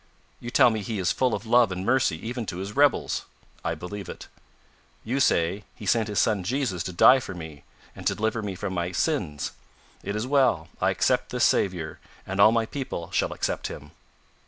you tell me He is full of love and mercy even to His rebels! I believe it. You say, He sent His Son Jesus to die for me, and to deliver me from my sins. It is well, I accept this Saviour and all my people shall accept Him."